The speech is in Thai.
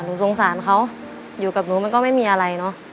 สงสารเขาอยู่กับหนูมันก็ไม่มีอะไรเนอะ